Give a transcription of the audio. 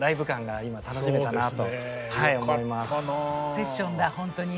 セッションだ本当に。